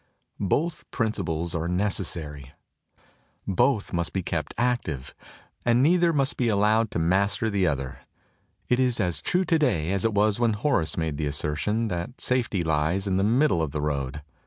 Both prin ciples are necessary; both must be kept active; 9 THE TOCSIN OF REVOLT and neither must be allowed to master the other. It is as true today as it was when Horace made the assertion, that safety lies in the middle of the road.